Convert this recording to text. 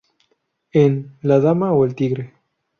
En "¿La Dama o el Tigre?